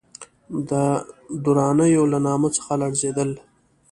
د درانیو له نامه څخه لړزېدل.